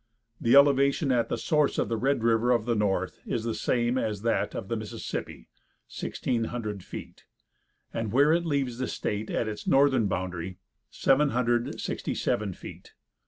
The elevation at the source of the Red River of the North is the same as that of the Mississippi, 1,600 feet, and where it leaves the state at its northern boundary 767 feet.